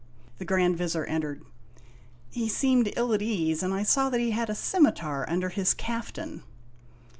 The Grand Vizir en tered. He seemed ill at ease, and I saw that he had a simitar under his caftan.